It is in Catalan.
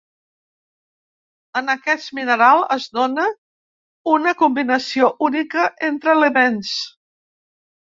En aquest mineral es dóna una combinació única entre elements.